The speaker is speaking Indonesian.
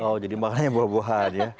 oh jadi makanannya buah buahan ya